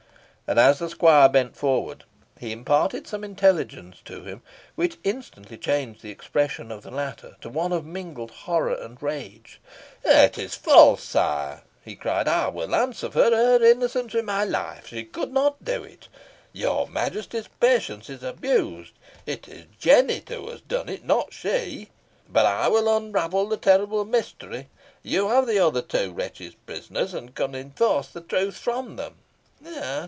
And as the squire bent forward, he imparted some intelligence to him, which instantly changed the expression of the latter to one of mingled horror and rage. "It is false, sire!" he cried. "I will answer for her innocence with my life. She could not do it. Your Majesty's patience is abused. It is Jennet who has done it not she. But I will unravel the terrible mystery. You have the other two wretches prisoners, and can enforce the truth from them."